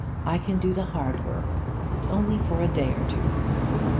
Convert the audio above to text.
I can do the hard work. It's only for a day or two.'